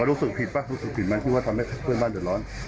รู้สึกผิดป่ะรู้สึกผิดไหมที่ว่าทำให้เพื่อนบ้านเดือดร้อน